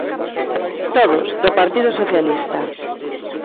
Todos, do Partido Socialista.